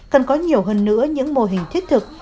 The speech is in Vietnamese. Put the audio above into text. cần có nhiều hơn nữa những mô hình thiết thực